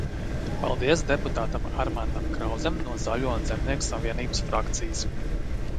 Paldies deputātam Armandam Krauzem no Zaļo un Zemnieku savienības frakcijas.